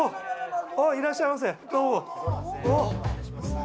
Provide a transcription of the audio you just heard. いらっしゃいませ、どうも。